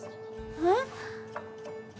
えっ？